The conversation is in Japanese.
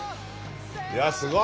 いやすごい！